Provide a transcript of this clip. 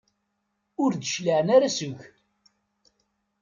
Ur d-cliɛen ara seg-k.